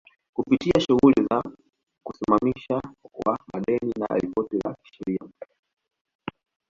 kupitia shughuli za usimamizi wa madeni na ripoti za kisheria